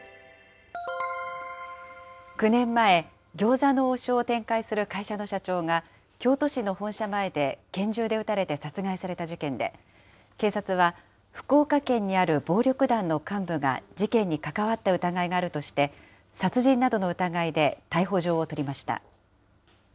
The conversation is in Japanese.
９年前、餃子の王将を展開する会社の社長が、京都市の本社前で拳銃で撃たれて殺害された事件で、警察は福岡県にある暴力団の幹部が事件に関わった疑いがあるとして、殺人などの疑いで逮捕状を取りました。